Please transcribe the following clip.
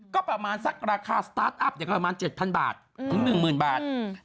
ก็ประมาณสักราคาสตาร์ทอัพอย่างประมาณ๗๐๐๐๑๐๐๐๐บาท